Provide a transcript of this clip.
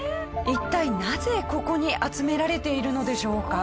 一体なぜここに集められているのでしょうか？